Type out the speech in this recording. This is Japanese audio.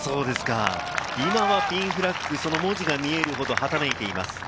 今はピンフラッグ、その文字が見えるほど、はためいています。